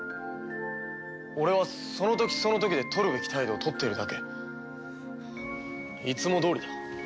俺はその時その時で取るべき態度を取っているだけ。いつもどおりだ。